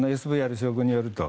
ＳＶＲ将軍によると。